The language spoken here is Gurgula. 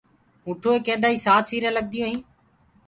اونٺوئي ڪيندآئين سآت سيرين لگديون هين